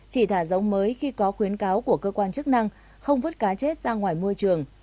chỉ thả giống mới khi có khuyến cáo của cơ quan chức năng không vứt cá chết ra ngoài môi trường